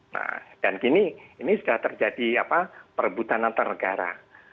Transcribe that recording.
nah dan gini ini sudah terjadi perebutan antar negara